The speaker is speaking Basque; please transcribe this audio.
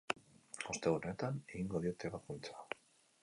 Ostegun honetan egingo diote ebakuntza.